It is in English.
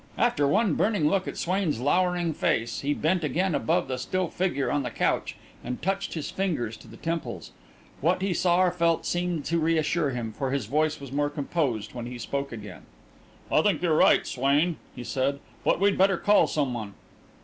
After one burning look at Swain's lowering face, he bent again above the still figure on the couch, and touched his fingers to the temples. What he saw or felt seemed to reassure him, for his voice was more composed when he spoke again. "I think you're right, Swain," he said. "But we'd better call someone."